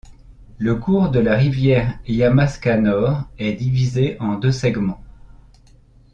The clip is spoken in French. Le cours de la rivière Yamaska Nord est divisé en deux segments.